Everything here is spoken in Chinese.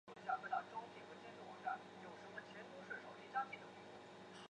那份文件是有关美国介入越南过程的政府内部秘密报告。